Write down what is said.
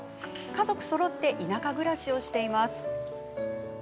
家族そろって田舎暮らしをしています。